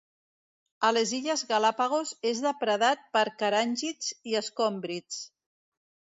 A les illes Galápagos és depredat per caràngids i escòmbrids.